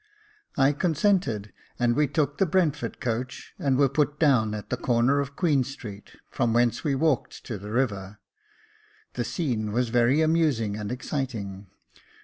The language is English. I consented, and we took the Brentford coach, and were put down at the corner of Queen Street, from whence we walked to the river. The scene was very amusing and exciting.